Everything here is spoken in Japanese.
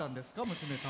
娘さん。